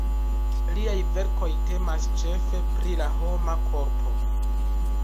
Liaj verkoj temas ĉefe pri la homa korpo.